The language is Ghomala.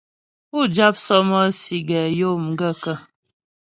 Pú jáp sɔ́mɔ́sì gɛ yó m gaə̂kə́ ?